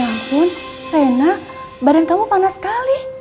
ya ampun lena badan kamu panas sekali